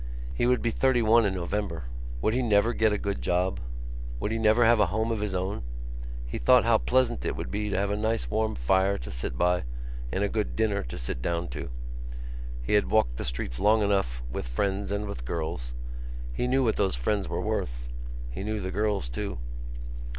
He would be thirty one in November. Would he never get a good job? Would he never have a home of his own? He thought how pleasant it would be to have a warm fire to sit by and a good dinner to sit down to. He had walked the streets long enough with friends and with girls. He knew what those friends were worth: he knew the girls too.